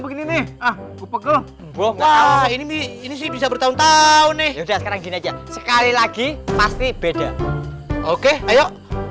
gampang ini nih ini bisa bertahun tahun nih sekali lagi pasti beda oke ayo